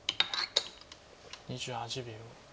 ２８秒。